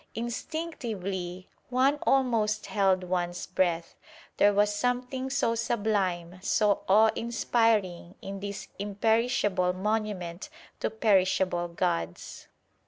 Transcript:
Instinctively, one almost held one's breath; there was something so sublime, so awe inspiring in this imperishable monument to perishable gods.